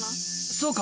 そうか！